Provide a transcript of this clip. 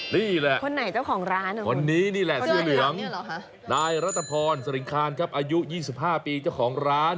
นี่แหละคนนี้นี่แหละเสื้อเหลืองนายรัตภรสริงคานครับอายุ๒๕ปีเจ้าของร้าน